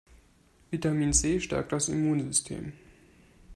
Vitamin C stärkt das Immunsystem.